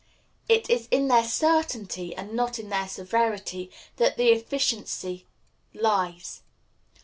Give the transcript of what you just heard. It is in their certainty, and not in their severity, that the efficiency of them lies.